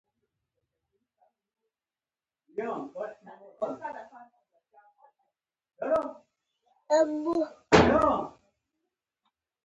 د جوازونو ویش عاید لري